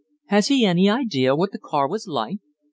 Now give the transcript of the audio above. "Has he any idea what the car was like?"